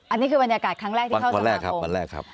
อันนี้คือวันยากาศครั้งแรกที่เข้าสมาคม